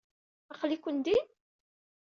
Aql-iken din?